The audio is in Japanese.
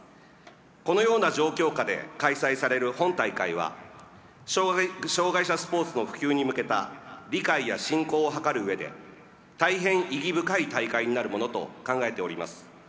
このような状況下で開催される本大会は、障害者スポーツの普及に向けた理解や振興を図る上で大変意義深い大会になるものと考えております。